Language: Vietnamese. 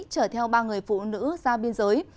chở theo ba người phụ nữ ra biên giới